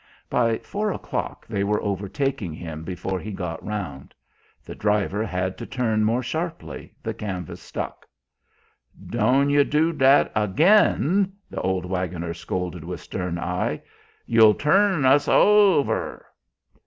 By four o'clock they were overtaking him before he got round; the driver had to turn more sharply, the canvas stuck. "Doan you do that agen!" the old waggoner scolded with stern eye; "you'll tourn us oover!"